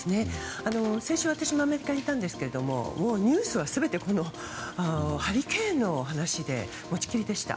先週、私もアメリカに行ったんですがニュースは全てハリケーンの話で持ちきりでした。